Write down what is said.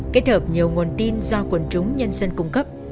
kết hợp nhiều nguồn tin do quần chúng nhân dân cung cấp